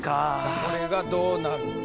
これがどうなるか。